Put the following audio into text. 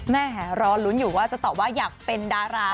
แหรอลุ้นอยู่ว่าจะตอบว่าอยากเป็นดารา